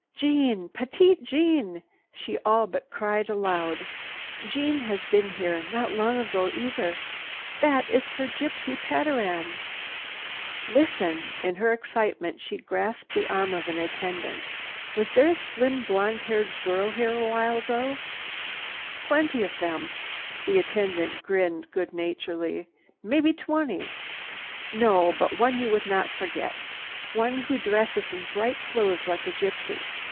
"Jeanne! Petite Jeanne!" she all but cried aloud. "Jeanne has been here, not long ago either. That is her gypsy patteran!" "Listen!" In her excitement she grasped the arm of an attendant. "Was there a slim blonde haired girl here a little while ago?" "Plenty of them," the attendant grinned good naturedly, "mebby twenty." "No, but one you would not forget. One who dresses in bright clothes like a gypsy.